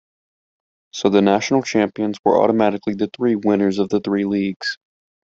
So the national champions were automatically the three winners of the three leagues.